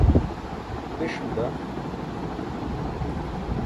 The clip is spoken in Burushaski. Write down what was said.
tiṣ bila